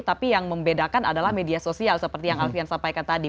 tapi yang membedakan adalah media sosial seperti yang alfian sampaikan tadi